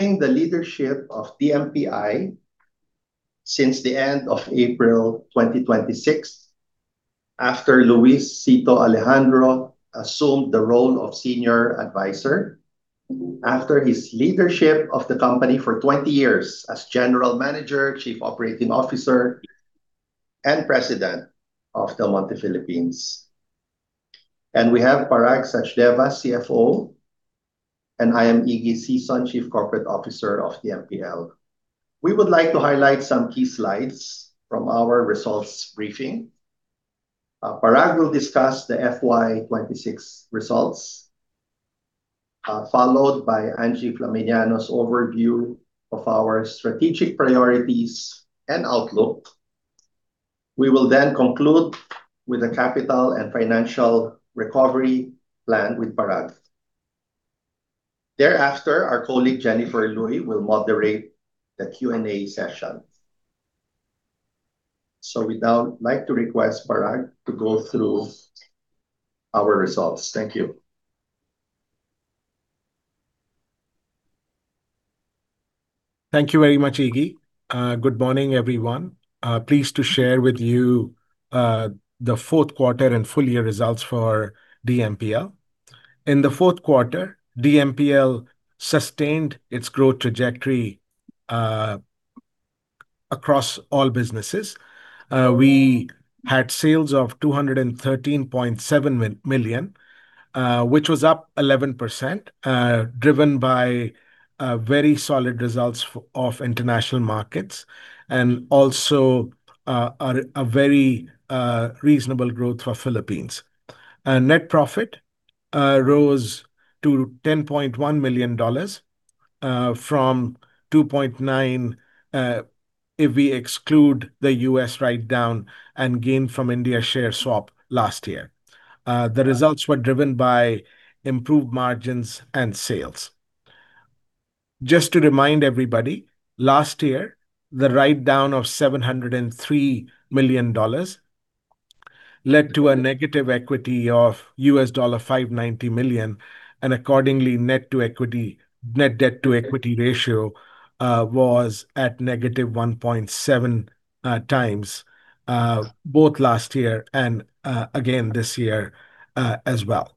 I'm the leadership of DMPI since the end of April 2026, after Luis Sito Alejandro assumed the role of Senior Adviser, after his leadership of the company for 20 years as General Manager, Chief Operating Officer, and President of Del Monte Philippines. We have Parag Sachdeva, CFO, and I am Iggy Sison, Chief Corporate Officer of DMPL. We would like to highlight some key slides from our results briefing. Parag will discuss the FY 2026 results, followed by Angie Flaminiano's overview of our strategic priorities and outlook. We will conclude with the capital and financial recovery plan with Parag. Thereafter, our colleague Jennifer Luy will moderate the Q&A session. We'd now like to request Parag to go through our results. Thank you. Thank you very much, Iggy. Good morning, everyone. Pleased to share with you the fourth quarter and full year results for DMPL. In the fourth quarter, DMPL sustained its growth trajectory across all businesses. We had sales of $213.7 million, which was up 11%, driven by very solid results of international markets and also a very reasonable growth for Philippines. Net profit rose to $10.1 million from $2.9 million, if we exclude the U.S. write-down and gain from India share swap last year. The results were driven by improved margins and sales. Just to remind everybody, last year, the write-down of $703 million led to a negative equity of $590 million, and accordingly, net debt to equity ratio was at negative 1.7x, both last year and again this year as well.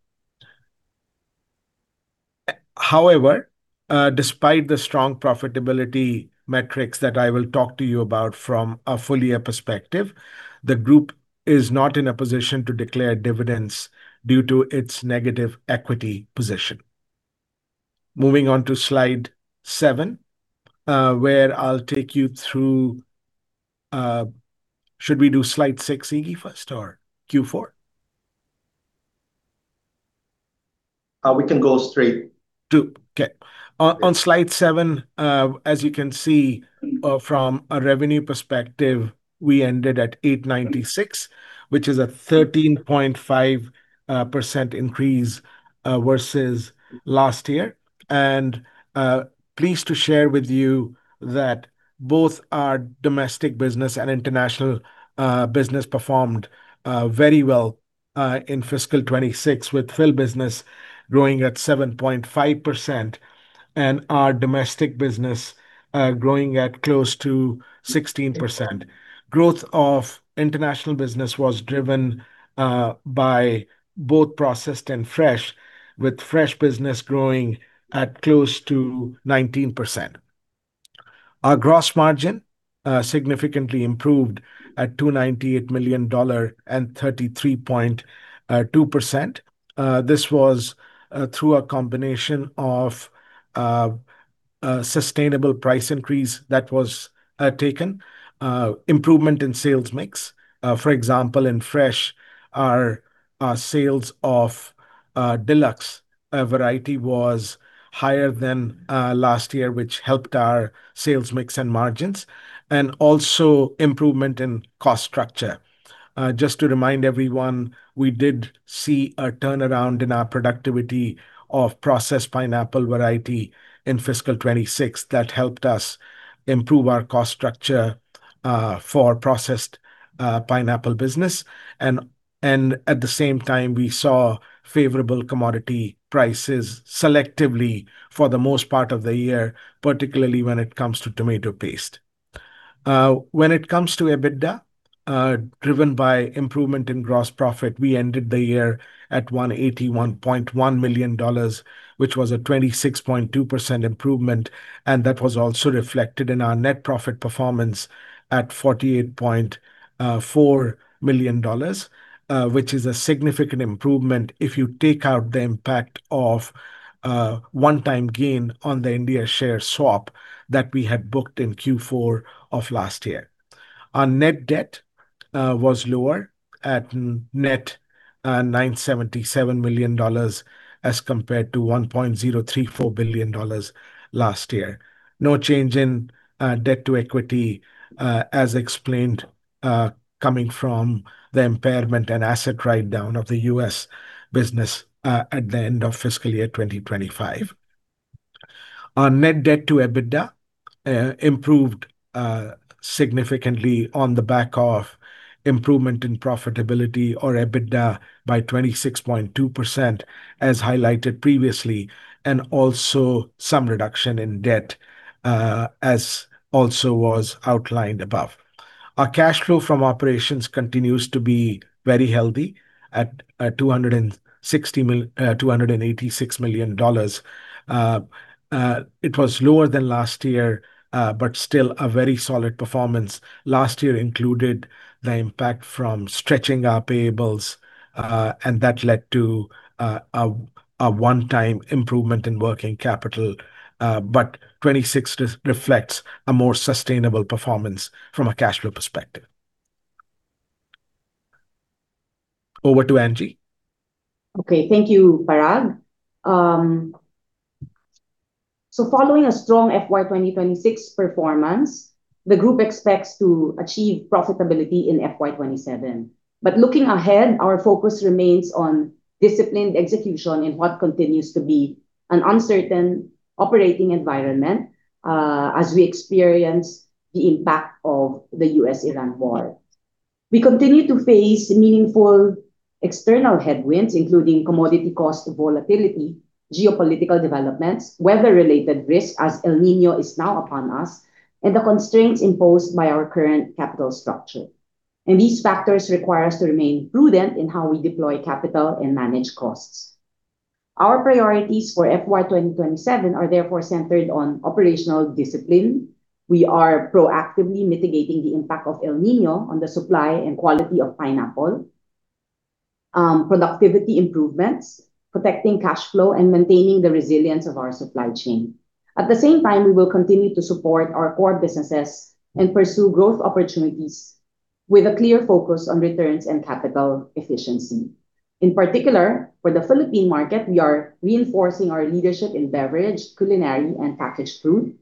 Despite the strong profitability metrics that I will talk to you about from a full year perspective, the group is not in a position to declare dividends due to its negative equity position. Moving on to slide seven, where I'll take you through. Should we do slide six, Iggy, first or Q4? We can go straight. Okay. On slide seven, as you can see from a revenue perspective, we ended at $896 million, which is a 13.5% increase versus last year. Pleased to share with you that both our domestic business and international business performed very well in FY 2026, with Philippine business growing at 7.5% and our domestic business growing at close to 16%. Growth of international business was driven by both Processed and Fresh, with Fresh business growing at close to 19%. Our gross margin significantly improved at $298 million and 33.2%. This was through a combination of sustainable price increase that was taken, improvement in sales mix. For example, in Fresh, our sales of deluxe variety was higher than last year, which helped our sales mix and margins. Also improvement in cost structure. Just to remind everyone, we did see a turnaround in our productivity of processed pineapple variety in FY 2026 that helped us improve our cost structure for processed pineapple business. At the same time, we saw favorable commodity prices selectively for the most part of the year, particularly when it comes to tomato paste. When it comes to EBITDA, driven by improvement in gross profit, we ended the year at $181.1 million, which was a 26.2% improvement. That was also reflected in our net profit performance at $48.4 million, which is a significant improvement if you take out the impact of a one-time gain on the India share swap that we had booked in Q4 of last year. Our net debt was lower at net $977 million as compared to $1.034 billion last year. No change in debt to equity, as explained, coming from the impairment and asset write-down of the U.S. business at the end of fiscal year 2025. Our net debt to EBITDA improved significantly on the back of improvement in profitability or EBITDA by 26.2%, as highlighted previously. Also some reduction in debt, as also was outlined above. Our cash flow from operations continues to be very healthy at $286 million. It was lower than last year, but still a very solid performance. Last year included the impact from stretching our payables. That led to a one-time improvement in working capital. FY 2026 just reflects a more sustainable performance from a cash flow perspective. Over to Angie. Okay. Thank you, Parag. Following a strong FY 2026 performance, the group expects to achieve profitability in FY 2027. Looking ahead, our focus remains on disciplined execution in what continues to be an uncertain operating environment as we experience the impact of the U.S.-Iran war. We continue to face meaningful external headwinds, including commodity cost volatility, geopolitical developments, weather-related risk as El Niño is now upon us, and the constraints imposed by our current capital structure. These factors require us to remain prudent in how we deploy capital and manage costs. Our priorities for FY 2027 are therefore centered on operational discipline. We are proactively mitigating the impact of El Niño on the supply and quality of pineapple, productivity improvements, protecting cash flow, and maintaining the resilience of our supply chain. At the same time, we will continue to support our core businesses and pursue growth opportunities with a clear focus on returns and capital efficiency. In particular, for the Philippine market, we are reinforcing our leadership in beverage, culinary, and packaged food.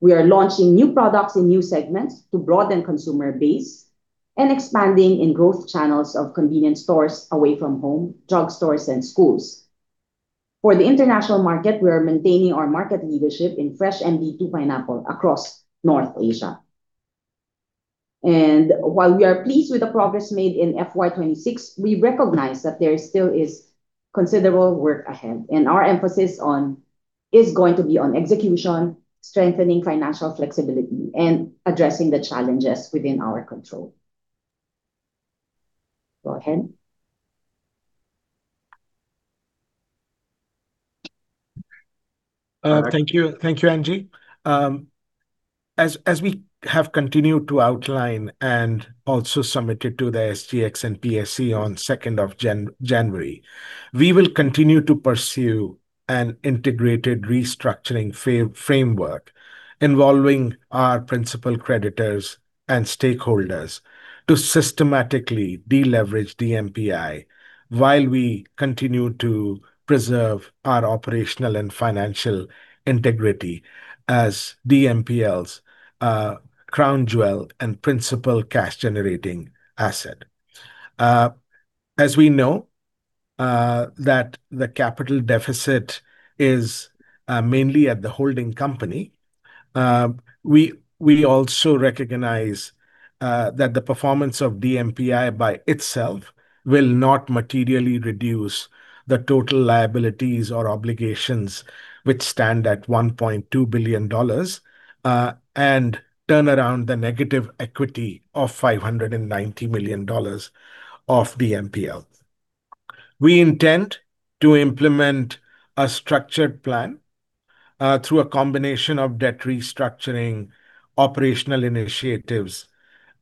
We are launching new products in new segments to broaden consumer base and expanding in growth channels of convenience stores away from home, drugstores, and schools. For the international market, we are maintaining our market leadership in Fresh and MD2 pineapple across North Asia. While we are pleased with the progress made in FY 2026, we recognize that there still is considerable work ahead, and our emphasis is going to be on execution, strengthening financial flexibility, and addressing the challenges within our control. Go ahead. Thank you, Angie. As we have continued to outline and also submitted to the SGX and PSE on 2nd of January, we will continue to pursue an integrated restructuring framework involving our principal creditors and stakeholders to systematically deleverage DMPI. While we continue to preserve our operational and financial integrity as DMPL's crown jewel and principal cash-generating asset. As we know that the capital deficit is mainly at the holding company. We also recognize that the performance of DMPI by itself will not materially reduce the total liabilities or obligations which stand at $1.2 billion, and turn around the negative equity of $590 million of DMPL. We intend to implement a structured plan through a combination of debt restructuring, operational initiatives,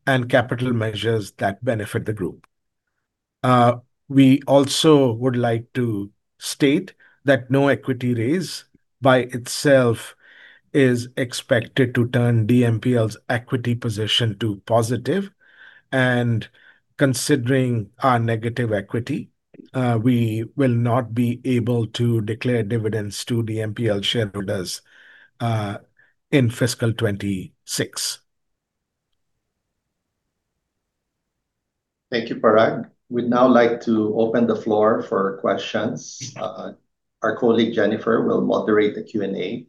and capital measures that benefit the group. We also would like to state that no equity raise by itself is expected to turn DMPL's equity position to positive. Considering our negative equity, we will not be able to declare dividends to DMPL shareholders in fiscal 2026. Thank you, Parag. We'd now like to open the floor for questions. Our colleague, Jennifer, will moderate the Q&A.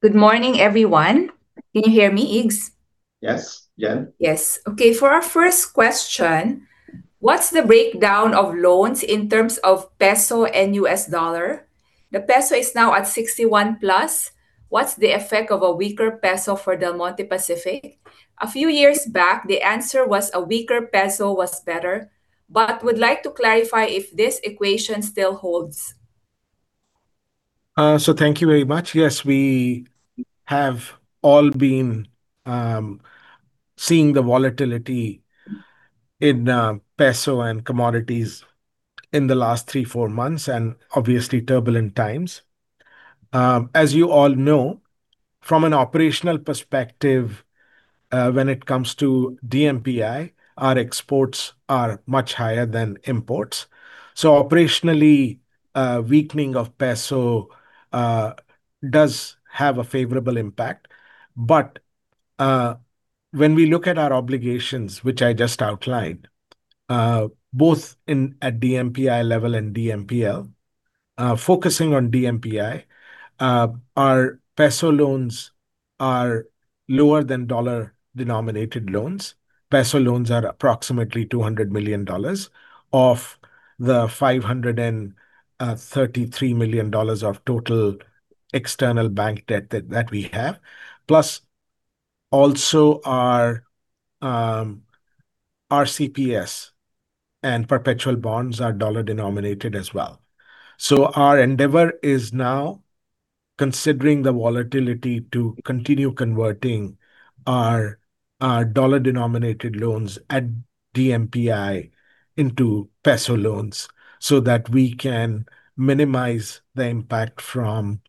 Good morning, everyone. Can you hear me, Iggy? Yes, Jennifer. Yes. Okay, for our first question, what's the breakdown of loans in terms of peso and U.S. dollar? The peso is now at 61+. What's the effect of a weaker peso for Del Monte Pacific? A few years back, the answer was a weaker peso was better. I would like to clarify if this equation still holds? Thank you very much. Yes, we have all been seeing the volatility in peso and commodities in the last three, four months. Obviously turbulent times. As you all know, from an operational perspective, when it comes to DMPI, our exports are much higher than imports. Operationally, weakening of peso does have a favorable impact. When we look at our obligations, which I just outlined, both at DMPI level and DMPL. Focusing on DMPI, our peso loans are lower than U.S. dollar-denominated loans. Peso loans are approximately $200 million of the $533 million of total external bank debt that we have. Plus, also our RCPS and perpetual bonds are U.S. dollar-denominated as well. Our endeavor is now considering the volatility to continue converting our U.S. dollar-denominated loans at DMPI into peso loans so that we can minimize the impact from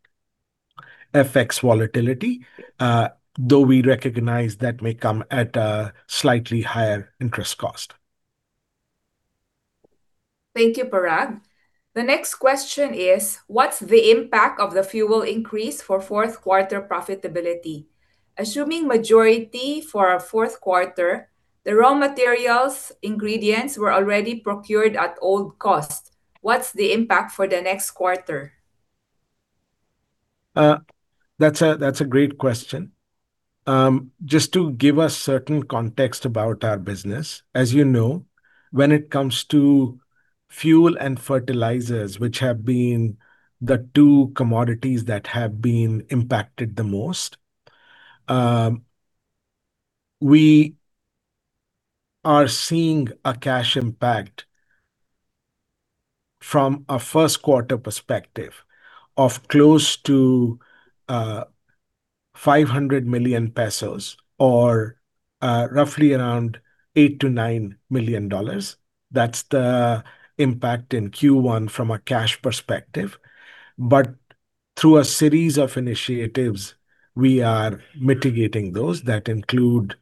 FX volatility. We recognize that may come at a slightly higher interest cost. Thank you, Parag. The next question is, what's the impact of the fuel increase for fourth quarter profitability? Assuming majority for our fourth quarter, the raw materials, ingredients were already procured at old cost. What's the impact for the next quarter? That's a great question. Just to give a certain context about our business, as you know, when it comes to fuel and fertilizers, which have been the two commodities that have been impacted the most. We are seeing a cash impact from a first quarter perspective of close to 500 million pesos or roughly around $8 million-$9 million. That's the impact in Q1 from a cash perspective. Through a series of initiatives, we are mitigating those that include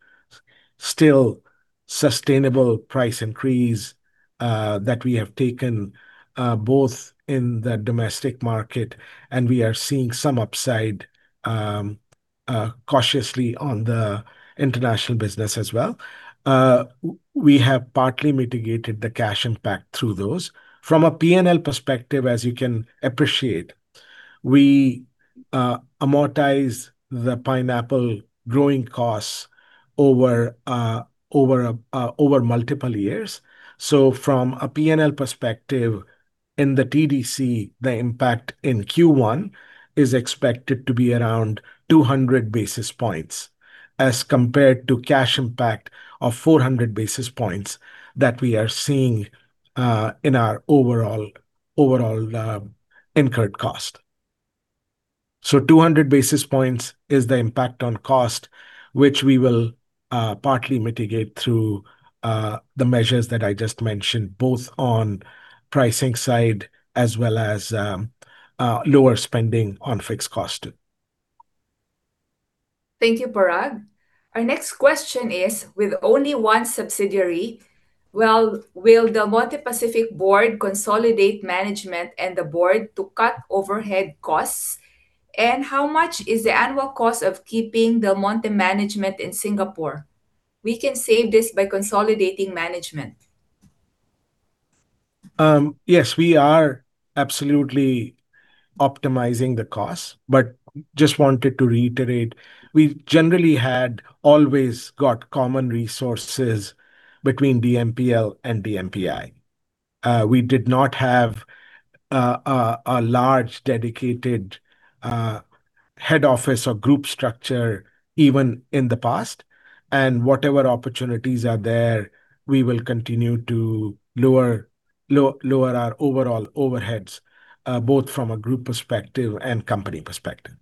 still sustainable price increase that we have taken, both in the domestic market. And we are seeing some upside cautiously on the international business as well. We have partly mitigated the cash impact through those. From a P&L perspective, as you can appreciate, we amortize the pineapple growing costs over multiple years. From a P&L perspective in the TDC, the impact in Q1 is expected to be around 200 basis points as compared to cash impact of 400 basis points that we are seeing in our overall incurred cost. 200 basis points is the impact on cost, which we will partly mitigate through the measures that I just mentioned, both on pricing side as well as lower spending on fixed cost. Thank you, Parag. Our next question is, with only one subsidiary, will Del Monte Pacific Board consolidate management and the Board to cut overhead costs? How much is the annual cost of keeping Del Monte management in Singapore? We can save this by consolidating management. Yes, we are absolutely optimizing the cost, but just wanted to reiterate, we've generally had always got common resources between DMPL and DMPI. We did not have a large dedicated head office or group structure even in the past. Whatever opportunities are there, we will continue to lower our overall overheads, both from a group perspective and company perspective.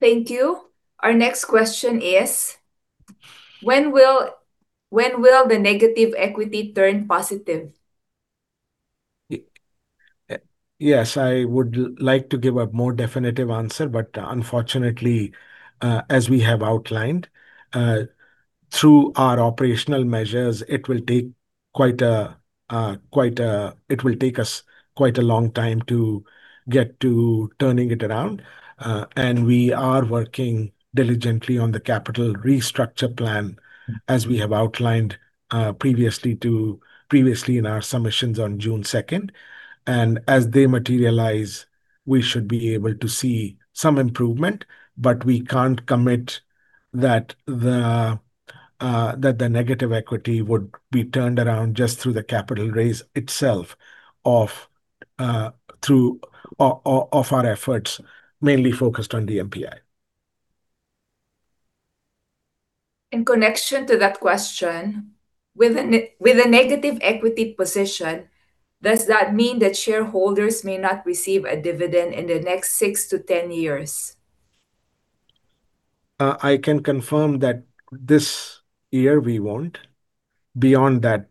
Thank you. Our next question is, when will the negative equity turn positive? Yes, I would like to give a more definitive answer, but unfortunately, as we have outlined, through our operational measures, it will take us quite a long time to get to turning it around. We are working diligently on the capital restructure plan, as we have outlined previously in our submissions on June 2nd. As they materialize, we should be able to see some improvement, but we can't commit that the negative equity would be turned around just through the capital raise itself of our efforts mainly focused on DMPI. In connection to that question, with a negative equity position. Does that mean that shareholders may not receive a dividend in the next six to 10 years? I can confirm that this year we won't. Beyond that,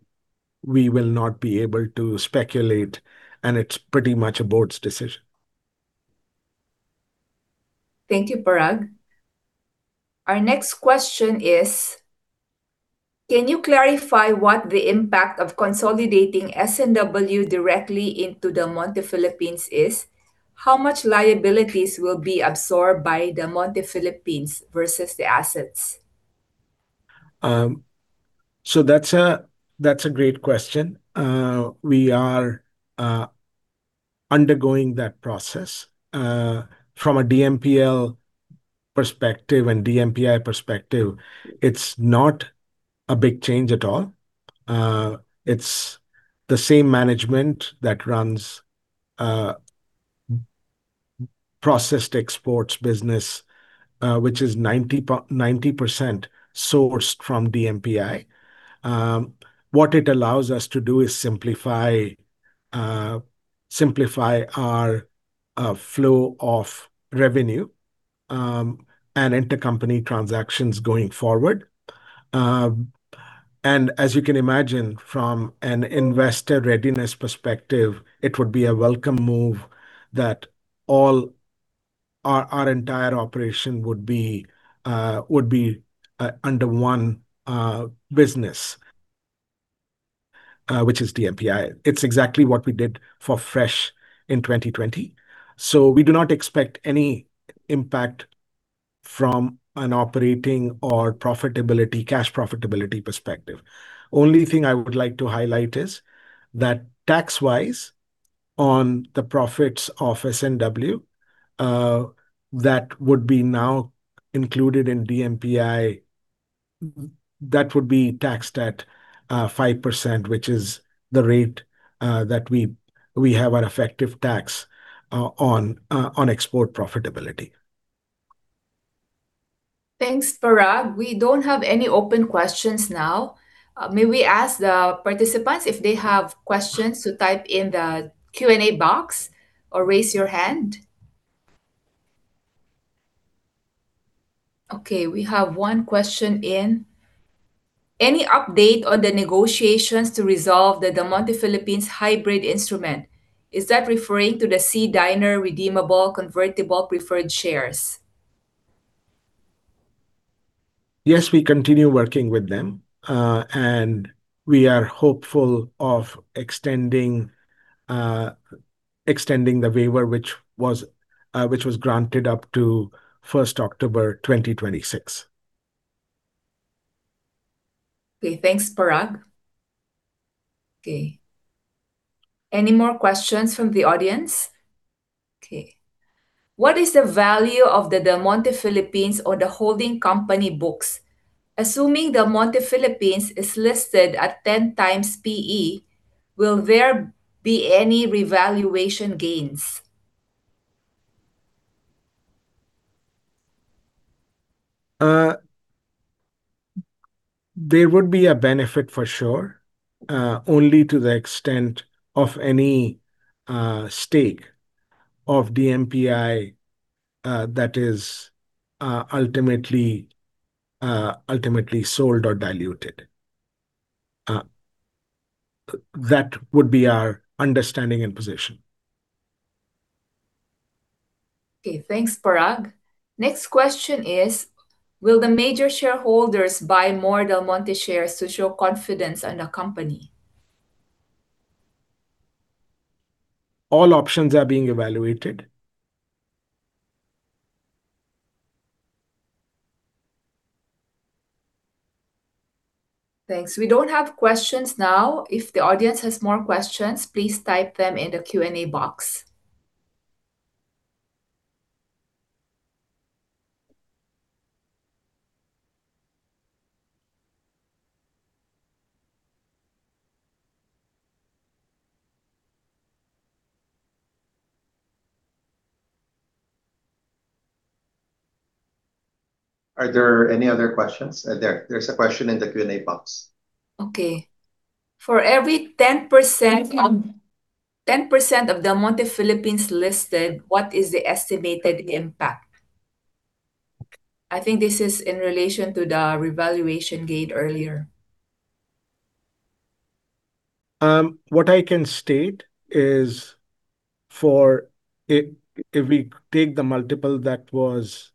we will not be able to speculate, and it's pretty much a Board's decision. Thank you, Parag. Our next question is, can you clarify what the impact of consolidating S&W directly into Del Monte Philippines is? How much liabilities will be absorbed by Del Monte Philippines versus the assets? That's a great question. We are undergoing that process. From a DMPL perspective and DMPI perspective, it's not a big change at all. It's the same management that runs processed exports business, which is 90% sourced from DMPI. What it allows us to do is simplify our flow of revenue, and intercompany transactions going forward. As you can imagine from an investor readiness perspective, it would be a welcome move that our entire operation would be under one business which is DMPI. It's exactly what we did for Fresh in 2020. We do not expect any impact from an operating or cash profitability perspective. Only thing I would like to highlight is that tax-wise, on the profits of S&W that would be now included in DMPI, that would be taxed at 5%, which is the rate that we have our effective tax on export profitability. Thanks, Parag. We don't have any open questions now. May we ask the participants if they have questions to type in the Q&A box or raise your hand? Okay, we have one question in. Any update on the negotiations to resolve the Del Monte Philippines hybrid instrument? Is that referring to the SEA Diner Redeemable Convertible Preferred Shares? Yes, we continue working with them, and we are hopeful of extending the waiver, which was granted up to 1st October 2026. Okay. Thanks, Parag. Okay. Any more questions from the audience? Okay. What is the value of the Del Monte Philippines or the holding company books? Assuming Del Monte Philippines is listed at 10x PE, will there be any revaluation gains? There would be a benefit for sure, only to the extent of any stake of DMPI that is ultimately sold or diluted. That would be our understanding and position. Okay. Thanks, Parag. Next question is: Will the major shareholders buy more Del Monte shares to show confidence in the company? All options are being evaluated. Thanks. We don't have questions now. If the audience has more questions, please type them in the Q&A box. Are there any other questions? There's a question in the Q&A box. Okay. For every 10% of Del Monte Philippines listed, what is the estimated impact? I think this is in relation to the revaluation gain earlier. What I can state is if we take the multiple that was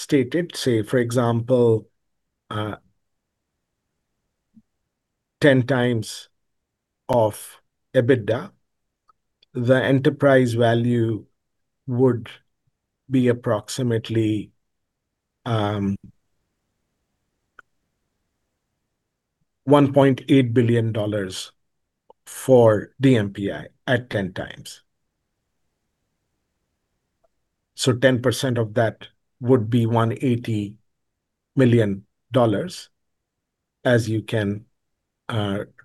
stated, say for example, 10x of EBITDA, the enterprise value would be approximately $1.8 billion for DMPI at 10x. 10% of that would be $180 million, as you can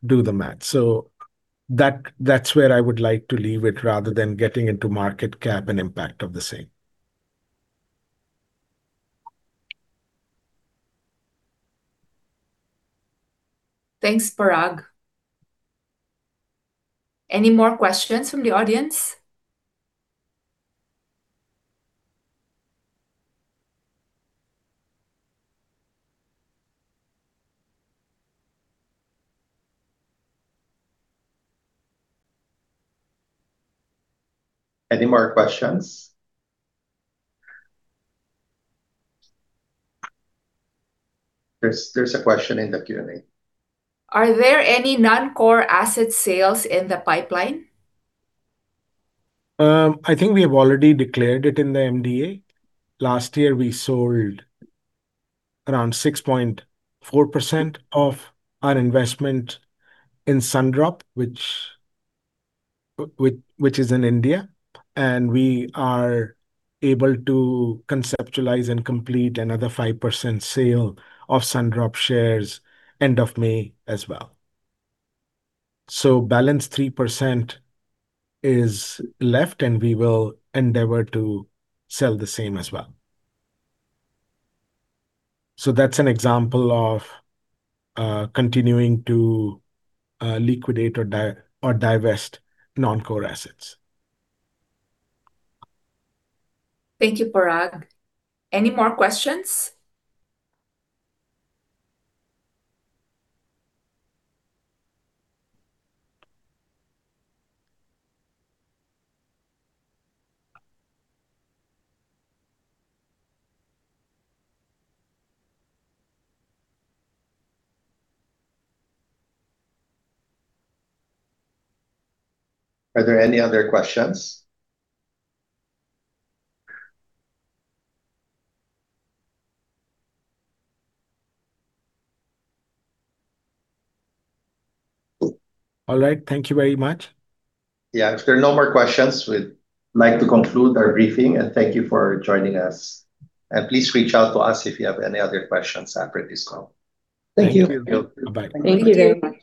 do the math. That's where I would like to leave it rather than getting into market cap and impact of the same. Thanks, Parag. Any more questions from the audience? Any more questions? There's a question in the Q&A. Are there any non-core asset sales in the pipeline? I think we have already declared it in the MD&A. Last year, we sold around 6.4% of our investment in Sundrop, which is in India. We are able to conceptualize and complete another 5% sale of Sundrop shares end of May as well. Balanced 3% is left, and we will endeavor to sell the same as well. That's an example of continuing to liquidate or divest non-core assets. Thank you, Parag. Any more questions? Are there any other questions? All right. Thank you very much. Yeah. If there are no more questions, we'd like to conclude our briefing, thank you for joining us. Please reach out to us if you have any other questions after this call. Thank you. Bye-bye. Thank you very much.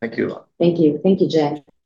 Thank you. Thank you. Thank you, Jennifer. Thank you.